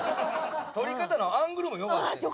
撮り方のアングルも良かったですね。